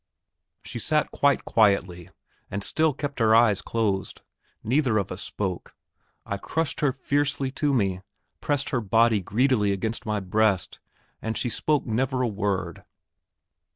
She sat quite quietly, and still kept her eyes closed; neither of us spoke. I crushed her fiercely to me, pressed her body greedily against my breast, and she spoke never a word.